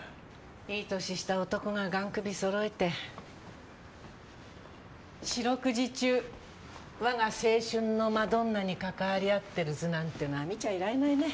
いい年した男が雁首そろえて四六時中我が青春のマドンナに関わり合ってる図なんてのは見ちゃいられないね。